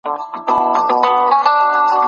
بلکي د استعمار او د هغه د له منځه وړلو لهپاره.